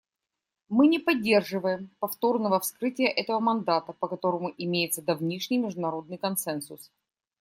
Мы не поддерживаем повторного вскрытия этого мандата, по которому имеется давнишний международный консенсус.